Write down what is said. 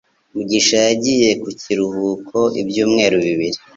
Mugisha yagiye mu kiruhuko ibyumweru bibiri